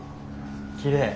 きれい。